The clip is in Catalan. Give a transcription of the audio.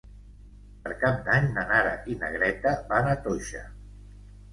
Per Cap d'Any na Nara i na Greta van a Toixa.